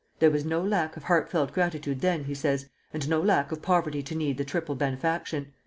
"There was no lack of heartfelt gratitude then," he says, "and no lack of poverty to need the triple benefaction."